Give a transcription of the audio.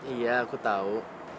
iya aku tahu